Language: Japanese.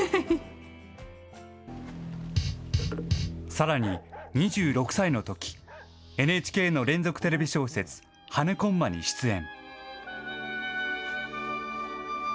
さらに、２６歳の時ＮＨＫの連続テレビ小説「はね駒」に出演。